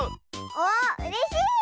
おっうれしい！